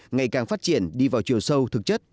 ngày càng phát triển đi vào chiều sâu thực chất